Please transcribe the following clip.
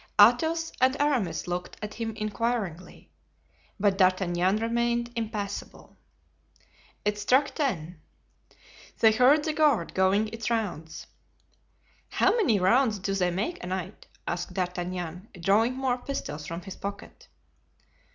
Athos and Aramis looked at him inquiringly. But D'Artagnan remained impassible. It struck ten. They heard the guard going its rounds. "How many rounds do they make a night?" asked D'Artagnan, drawing more pistoles from his pocket.